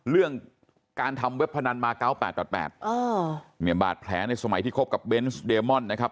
เรื่องการทำเว็บพนันมา๙๘๘เนี่ยบาดแผลในสมัยที่คบกับเบนส์เดมอนนะครับ